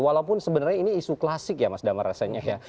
walaupun sebenarnya ini isu klasik ya mas damar rasanya ya